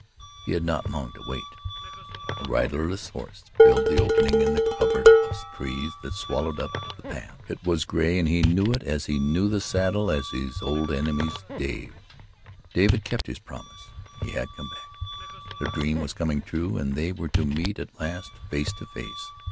He had not long to wait. A riderless horse filled the opening in the covert of leaves that swallowed up the path. It was gray and he knew it as he knew the saddle as his old enemy's Dave. Dave had kept his promise he had come back. The dream was coming true, and they were to meet at last face to face.